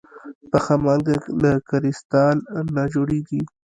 پخه مالګه له کريستال نه جوړېږي.